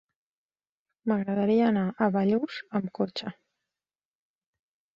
M'agradaria anar a Bellús amb cotxe.